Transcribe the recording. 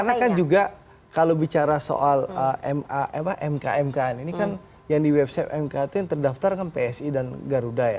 karena kan juga kalau bicara soal mk ini kan yang di website mk itu yang terdaftar kan psi dan garuda ya